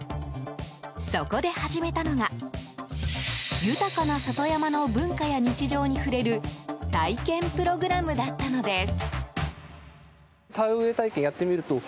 そこで始めたのが豊かな里山の文化や日常に触れる体験プログラムだったのです。